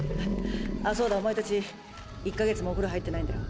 あそうだお前たち１か月もお風呂入ってないんだろ？